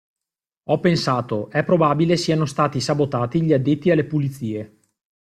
Ho pensato: "È probabile siano stati sabotati gli addetti alle pulizie.